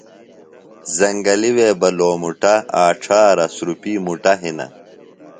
زنگلیۡ وے بہ لومُٹہ آچھارہ سُرُپی مُٹہ ہِنہ۔